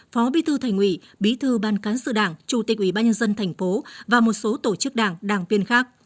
phó bí thư thành ủy bí thư ban cán sự đảng chủ tịch ủy ban nhân dân thành phố và một số tổ chức đảng đảng viên khác